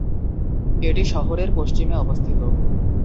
এটি শহরের পশ্চিমে অবস্থিত।